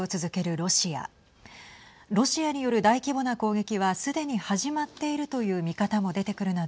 ロシアによる大規模な攻撃はすでに始まっているという見方も出てくるなど